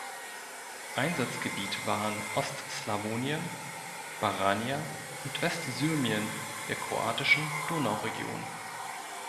Einsatzgebiet waren Ost-Slawonien, Baranya and West-Syrmien der kroatischen Donau-Region.